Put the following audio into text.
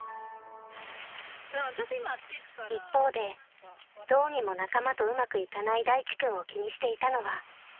［一方でどうにも仲間とうまくいかない大地君を気にしていたのは］